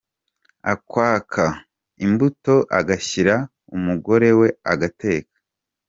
Akwaka imbuto agashyira umugore we agateka.